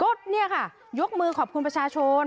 เนี่ยค่ะยกมือขอบคุณประชาชน